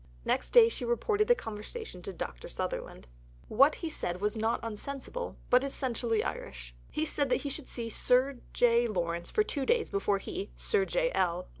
Next day she reported the conversation to Dr. Sutherland: What he said was not unsensible but essentially Irish. He said that he should see Sir J. Lawrence for two days before he (Sir J. L.)